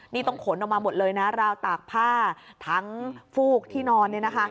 นี่ต้องขนออกมาหมดเลยนะราวตากผ้าทั้งฟูกที่นอน